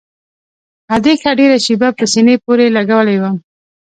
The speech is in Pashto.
ادې ښه ډېره شېبه په سينې پورې لګولى وم.